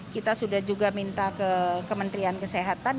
kita sudah juga minta ke kementerian kesehatan